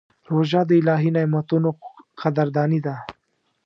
روژه د الهي نعمتونو قدرداني ده.